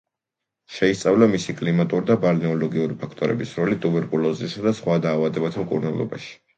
შეისწავლა მისი კლიმატური და ბალნეოლოგიური ფაქტორების როლი ტუბერკულოზისა და სხვა დაავადებათა მკურნალობაში.